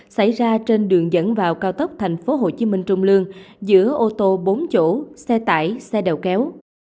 xảy ra trên đường dẫn vào cao tốc tp hcm trung lương giữa ô tô bốn chỗ xe tải xe đầu kéo